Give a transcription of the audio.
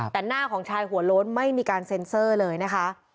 แต่หน้าของชายหัวโล้นไม่มีการเซ็นเซอร์เลยนะคะ